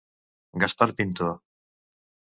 Gaspar Pinto.